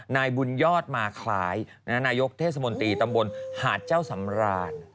นายบุญยอดมาคล้ายนายกเทศมนตรีตำบลหาดเจ้าสำราน